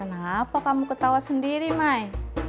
kenapa kamu ketawa sendiri mai